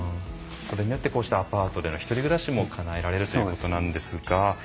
それによってこうしたアパートでの１人暮らしもかなえられるということなんですが